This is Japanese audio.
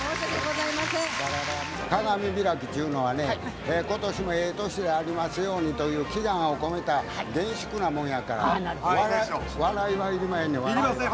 鏡開きっちゅうのはね今年もええ年でありますようにという祈願を込めた厳粛なもんやから笑いはいりまへんねや笑いは。